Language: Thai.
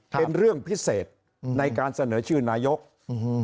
เป็นเรื่องพิเศษในการเสนอชื่อนายกอืม